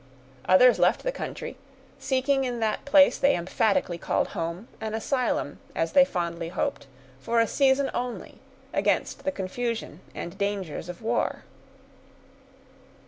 Others left the country; seeking in that place they emphatically called home, an asylum, as they fondly hoped, for a season only, against the confusion and dangers of war.